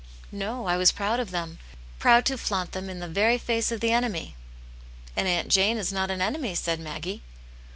No, I was proud of them ; proud to flaunt them in the very face of the enemy." And Aunt Jane is not an enemy,*' said Maggie.